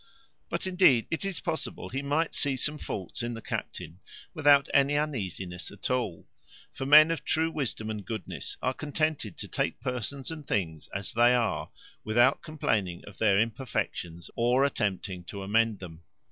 But indeed it is possible he might see some faults in the captain without any uneasiness at all; for men of true wisdom and goodness are contented to take persons and things as they are, without complaining of their imperfections, or attempting to amend them.